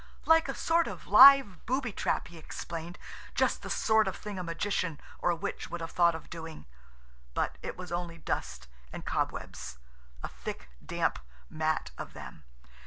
"Like a sort of live booby trap," he explained; "just the sort of thing a magician or a witch would have thought of doing." But it was only dust and cobwebs–a thick, damp mat of them.